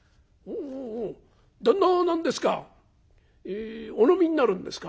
「おおお旦那は何ですかお飲みになるんですか？」。